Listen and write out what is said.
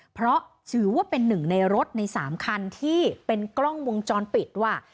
เพราะถือว่าเป็นหนึ่งในรถใน๓คันที่เป็นกล้องวงจรปิดว่า